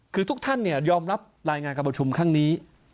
คือทุกท่านเนี่ยยอมรับรายงานการประชุมข้างนี้